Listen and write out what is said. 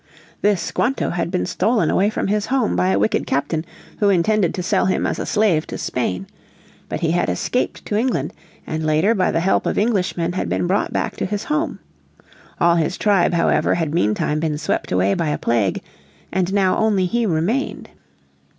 This Squanto had been stolen away from his home by a wicked captain who intended to sell him as a slave to Spain. But he had escaped to England, and later by the help of Englishmen had been brought back to his home. All his tribe however had meantime been swept away by a plague, and now only he remained.